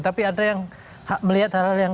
tapi ada yang melihat hal hal yang